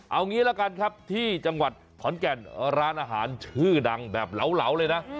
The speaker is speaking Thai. เอางี้ละกันครับที่จังหวัดขอนแก่นร้านอาหารชื่อดังแบบเหลาเลยนะ